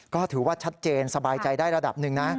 ก็ถือว่าชัดเจนสบายใจได้ระดับหนึ่งนะ